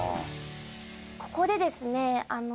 ここでですね